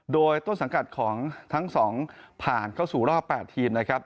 โดยต้นสังกัดของทั้งสองผ่านเข้าสู่รอบ๘ทีมนะครับ